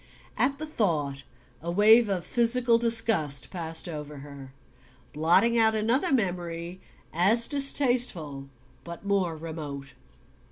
At the thought a wave of physical disgust passed over her, blotting out another memory as distasteful but more remote.